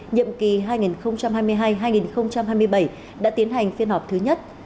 nhiệm kỳ hai nghìn hai mươi hai hai nghìn hai mươi bảy đã tiến hành phiên họp thứ nhất